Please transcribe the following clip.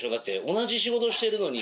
同じ仕事してるのに。